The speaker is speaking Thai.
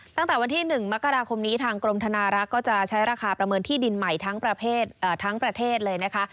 ตั้งแต่วันที่๑มกราคมนี้ทางกรมธนารักษ์ก็จะใช้ราคาประเมินที่ดินใหม่ทั้งประเทศทั้งประเทศเลยนะคะ